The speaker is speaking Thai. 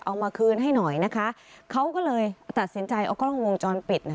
เอามาคืนให้หน่อยนะคะเขาก็เลยตัดสินใจเอากล้องวงจรปิด